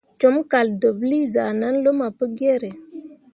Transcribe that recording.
Com kaldeɓlii zah nan luma Pugiere.